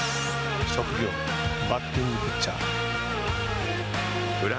職業、バッティングピッチャー。